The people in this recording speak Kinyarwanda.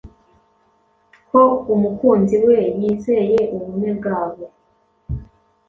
ko umukunzi we yizeye ubumwe bwabo.